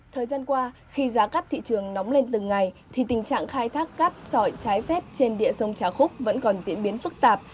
thời gian qua khi giá cắt thị trường nóng lên từng ngày thì tình trạng khai thác cát sỏi trái phép trên địa sông trà khúc vẫn còn diễn biến phức tạp